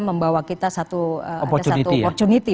membawa kita ada satu opportunity